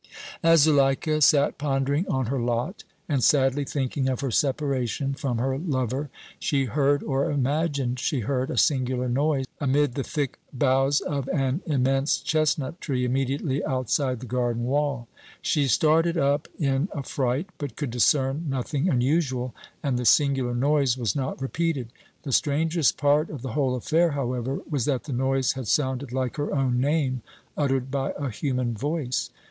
As Zuleika sat pondering on her lot and sadly thinking of her separation from her lover, she heard or imagined she heard a singular noise amid the thick boughs of an immense chestnut tree immediately outside the garden wall. She started up in affright, but could discern nothing unusual, and the singular noise was not repeated. The strangest part of the whole affair, however, was that the noise had sounded like her own name uttered by a human voice.